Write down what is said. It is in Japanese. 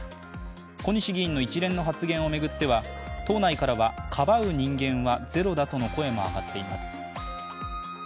小西議員の一連の発言を巡っては党内からはかばう人間はゼロだとの声も上がっています。